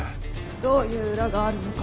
どういう裏があるのか。